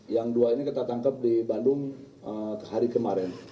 yang dua ini kita tangkap di bandung hari kemarin